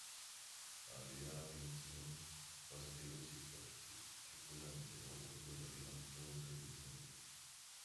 Había veintiún pasajeros y cuatro tripulantes a bordo del avión; todos ellos murieron.